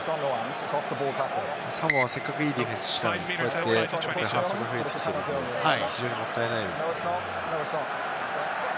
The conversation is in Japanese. サモアはせっかくいいディフェンスをしたのにこうやって反則が増えてきているんで、非常にもったいないです。